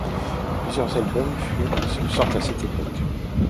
Plusieurs album sortent à cette époque.